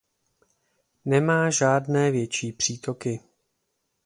Nemá žádné větší přítoky.